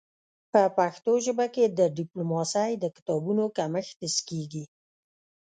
په پښتو ژبه کي د ډيپلوماسی د کتابونو کمښت حس کيږي.